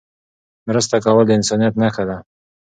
مرسته کول د انسانيت نښه ده.